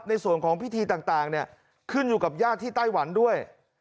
ในส่วนของพิธีต่างขึ้นอยู่กับญาติที่ไต้หวันด้วย